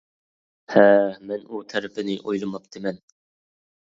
ھە. ، مەن ئۇ تەرىپىنى ئويلىماپتىمەن.